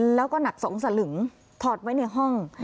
แล้วก็หนัก๒สลึงถอดไว้ในห้อง